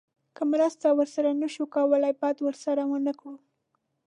که مرسته ورسره نه شو کولی بد ورسره ونه کړو.